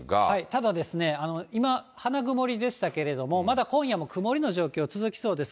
ただですね、今、花曇りでしたけど、まだ今夜も曇りの状況、続きそうです。